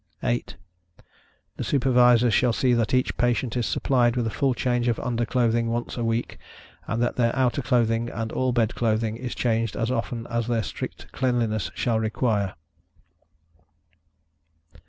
8. The Supervisors shall see that each patient is supplied with a full change of under clothing once a week, and that their outer clothing, and all bed clothing, is changed as often as their strict cleanliness shall require.